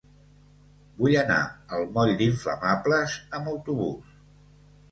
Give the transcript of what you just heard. Vull anar al moll d'Inflamables amb autobús.